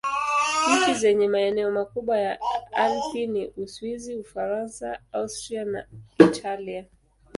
Nchi zenye maeneo makubwa ya Alpi ni Uswisi, Ufaransa, Austria na Italia.